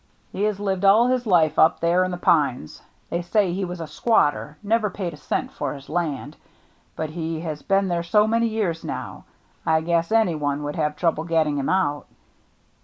"He has lived all his life up there in the pines. They say he was a squatter — never paid a cent for his land. But he has been there so many years now, I guess any one would have trouble getting THE NEW MATE 59 him out.